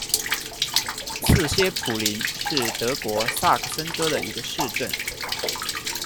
茨歇普林是德国萨克森州的一个市镇。